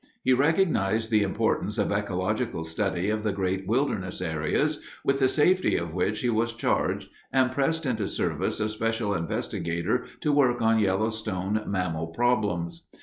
He recognized the importance of ecological study of the great wilderness areas, with the safety of which he was charged, and pressed into service a special investigator to work on Yellowstone mammal problems.